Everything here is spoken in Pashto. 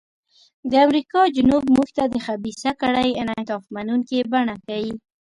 د امریکا جنوب موږ ته د خبیثه کړۍ انعطاف منونکې بڼه ښيي.